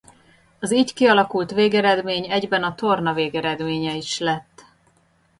Az így kialakult végeredmény egyben a torna végeredménye is lett.